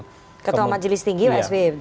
atau kemudian ketua majelis tinggi pak sby